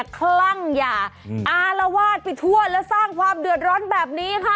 ขั้งอย่าอารวาศปิทั่วและสร้างความเดินร้อนแบบนี้ค่ะ